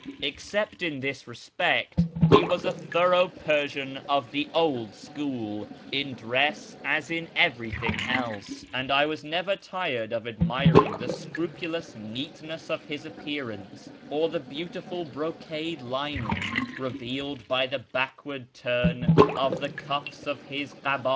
Except in this respect, he was a thorough Persian of the old school, in dress as in every thing else, and I was never tired of admiring the scrupulous neatness of his appearance, or the beautiful brocade lining revealed by the backward turn of the cuffs of his kahd.